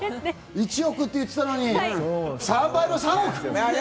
１億って言ってたのに３倍の３億！